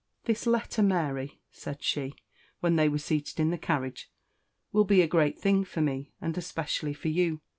"This letter, Mary," said she, when they were seated in the carriage, "will be a great thing for me, and especially for you.